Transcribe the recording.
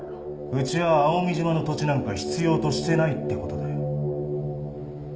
うちは蒼海島の土地なんか必要としてないって事だよ。